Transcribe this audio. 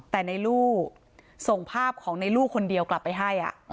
แต่ในลูส่งภาพของนอกลับไปค่ะ